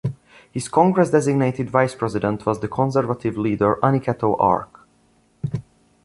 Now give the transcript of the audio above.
His Congress-designated vice-president was the Conservative leader Aniceto Arce.